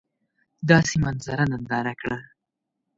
داسي منظره ننداره کړه !